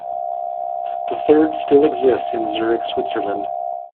The third still exists in Zurich, Switzerland.